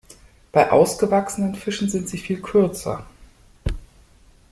Bei ausgewachsenen Fischen sind sie viel kürzer.